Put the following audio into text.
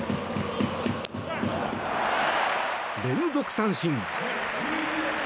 連続三振。